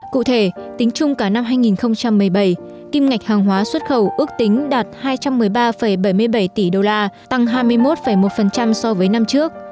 cụ thể tính chung cả năm hai nghìn một mươi bảy kim ngạch hàng hóa xuất khẩu ước tính đạt hai trăm một mươi ba bảy mươi bảy tỷ đô la tăng hai mươi một một so với năm trước